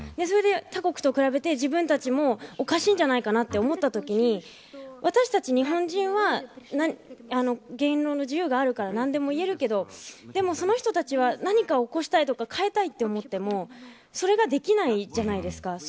それで他国と比べて自分たちもおかしいんじゃないかなと思ったときに私たち日本人は言論の自由があるからなんでも言えるけどでも、その人たちは何かを起こしたいとか変えたいと思ってもそれができないじゃないですか。